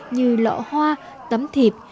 như lọ hoa tấm thiệp